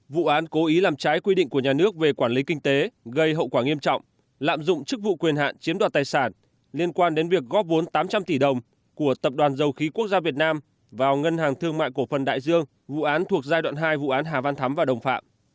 vụ án cố ý làm trái quy định của nhà nước về quản lý kinh tế gây hậu quả nghiêm trọng lạm dụng chức vụ quyền hạn chiếm đoạt tài sản liên quan đến việc góp vốn tám trăm linh tỷ đồng của tập đoàn dầu khí quốc gia việt nam vào ngân hàng thương mại cổ phần đại dương vụ án thuộc giai đoạn hai vụ án hà văn thắm và đồng phạm